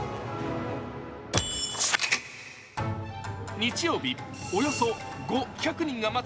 日曜日、およそ５００人が待つ